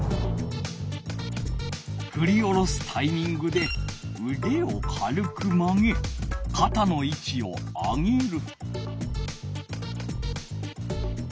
ふり下ろすタイミングでうでを軽く曲げかたのいちを上げる。